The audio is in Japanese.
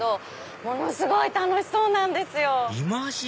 ものすごい楽しそうなんですよ。